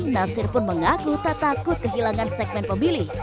nasir pun mengaku tak takut kehilangan segmen pemilih